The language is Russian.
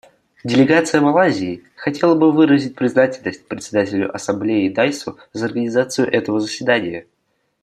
Делегация Малайзии хотела бы выразить признательность Председателю Ассамблеи Дайссу за организацию этого заседания.